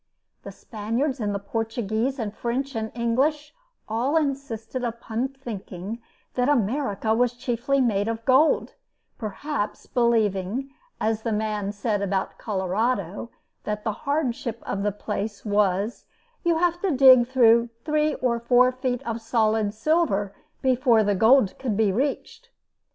The Spaniards and Portuguese and French and English all insisted upon thinking that America was chiefly made of gold; perhaps believing, as the man said about Colorado, that the hardship of the place was, that you have to dig through three or four feet of solid silver before the gold could be reached.